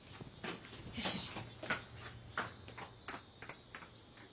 よしよし。